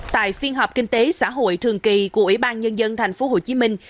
tại phiên họp kinh tế xã hội thường kỳ của ủy ban nhân dân thành phố hồ chí minh